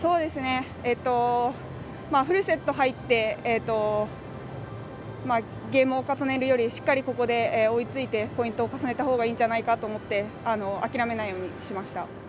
フルセット入ってゲームを重ねるよりしっかりここで追いついてポイントを重ねたほうがいいんじゃないかと思って諦めないようにしました。